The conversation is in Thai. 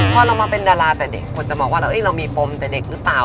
พอเรามาเป็นดาราแต่เด็กคนจะมองว่าเรามีปมแต่เด็กหรือเปล่า